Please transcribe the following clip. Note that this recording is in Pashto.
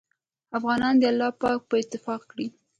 افغانان دې الله پاک په اتفاق کړي